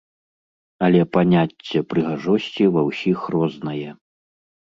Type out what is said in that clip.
Але паняцце прыгажосці ва ўсіх рознае.